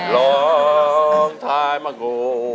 ร้องไทยมะโก